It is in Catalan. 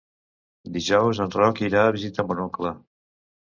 Dijous en Roc irà a visitar mon oncle.